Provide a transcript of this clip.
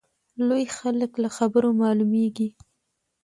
لوی خلک له خبرو معلومیږي.